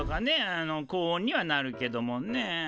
あの高温にはなるけどもね。